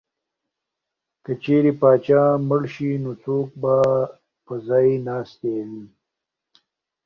که چېرې پاچا مړ شي نو څوک به ځای ناستی وي؟